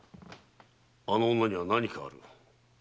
あの女には何かある。